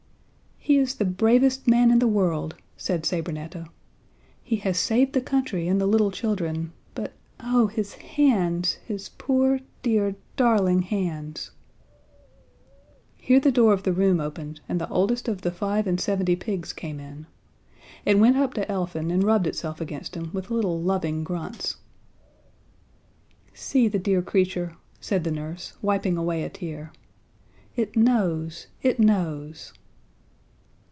"He is the bravest man in the world," said Sabrinetta. "He has saved the country and the little children; but, oh, his hands his poor, dear, darling hands!" Here the door of the room opened, and the oldest of the five and seventy pigs came in. It went up to Elfin and rubbed itself against him with little loving grunts. "See the dear creature," said the nurse, wiping away a tear. "It knows, it knows!"